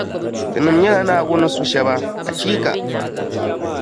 Tinim’ nyɛla Naawuni ni su shɛba, achiika!